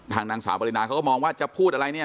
นางสาวปรินาเขาก็มองว่าจะพูดอะไรเนี่ย